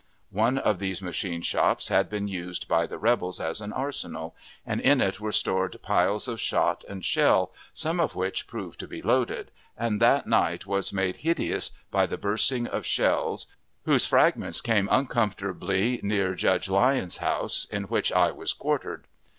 One of these machine shops had been used by the rebels as an arsenal, and in it were stored piles of shot and shell, some of which proved to be loaded, and that night was made hideous by the bursting of shells, whose fragments came uncomfortably, near Judge Lyon's house, in which I was quartered.